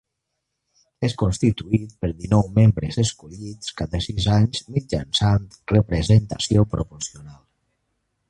És constituït per dinou membres, escollits cada sis anys mitjançant representació proporcional.